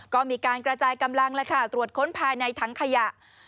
ก็มีการกระจายกำลังตรวจค้นภายในถังขยะ